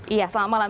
iya selamat malam